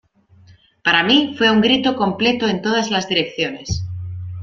Para mí, fue un grito completo en todas las direcciones.